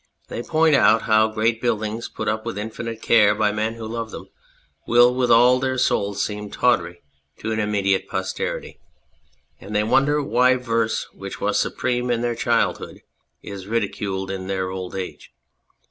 They point out how great buildings put up with infinite care by men who loved them with all their souls seem tawdry to an immediate posterity ; and they wonder why verse which was supreme in their child hood is ridiculed in their old age.